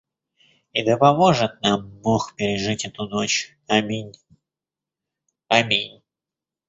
«И да поможет нам бог пережить эту ночь, аминь!» — «Аминь!»